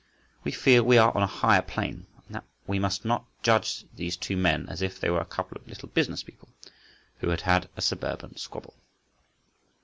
We feel we are on a higher plane, and that we must not judge these two men as if they were a couple of little business people who had had a suburban squabble.